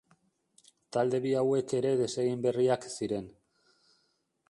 Talde bi hauek ere desegin berriak ziren.